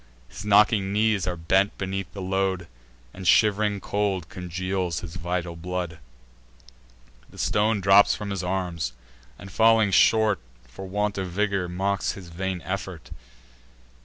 His knocking knees are bent beneath the load, And shiv'ring cold congeals his vital blood. The stone drops from his arms, and, falling short For want of vigour, mocks his vain effort.